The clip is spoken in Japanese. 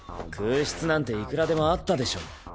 空室なんていくらでもあったでしょ。